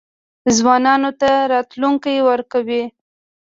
ځوانانو ته راتلونکی ورکوي.